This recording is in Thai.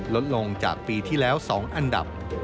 ลดลงจากปีที่แล้ว๒อันดับ